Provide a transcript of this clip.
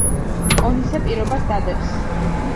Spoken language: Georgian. ონისე პირობას დადებს.